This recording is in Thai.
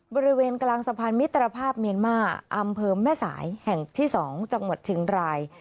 บริเวณกลางสะพานมิตรภาพเมียนมาร์อำเภอแม่สายแห่งที่๒จังหวัดเชียงราย